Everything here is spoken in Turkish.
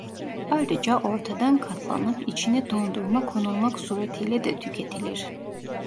Ayrıca ortadan katlanıp içine dondurma konulmak suretiyle de tüketilir.